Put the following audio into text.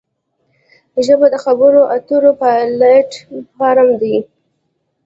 ژبه د خبرو اترو پلیټ فارم دی